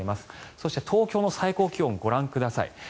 そして東京の最高気温をご覧ください。